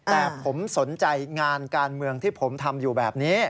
แต่ผมสนใจงานการเมืองที่ผมทำอยู่แบบนี้